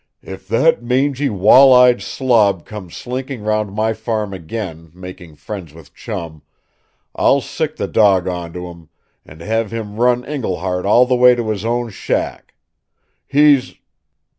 "If that mangy, wall eyed slob comes slinking round my farm again, making friends with Chum, I'll sick the dog onto him; and have him run Iglehart all the way to his own shack! He's